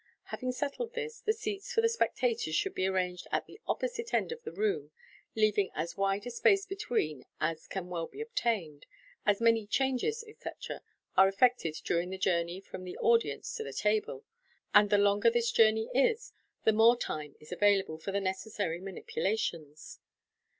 Having settled this, the seats for the spectators should be arranged at the opposite end of the room, leaving as wide a space between as can well be obtained, as many 11 changes," etc., are effected during the journey from the audience to the table, and the longer this journey is, the more time is avail able for the necessary manipulations.